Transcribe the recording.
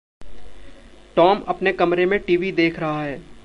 Tom अपने कमरे में टीवी देख रहा है।